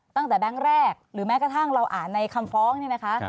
แบงค์แรกหรือแม้กระทั่งเราอ่านในคำฟ้องเนี่ยนะคะ